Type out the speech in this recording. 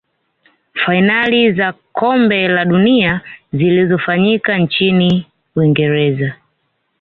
fainali za kombe la dunia zilifanyika nchini uingereza